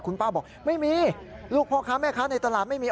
คุณป้าบอกไม่มีลูกพ่อค้าแม่ค้าในตลาดไม่มี